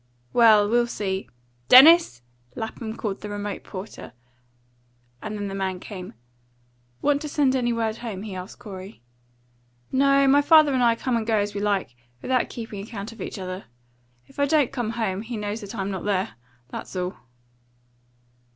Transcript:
"Well, we'll see. Dennis!" Lapham called to the remote porter, and the man came. "Want to send any word home?" he asked Corey. "No; my father and I go and come as we like, without keeping account of each other. If I don't come home, he knows that I'm not there. That's all."